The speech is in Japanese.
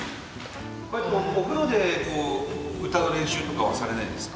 お風呂で歌う練習とかはされないんですか？